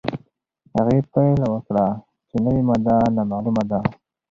هغې پایله وکړه چې نوې ماده نامعلومه ده.